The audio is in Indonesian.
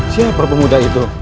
siapa pemuda itu